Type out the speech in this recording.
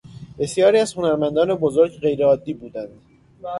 بسیاری از هنرمندان بزرگ غیر عادی بودهاند.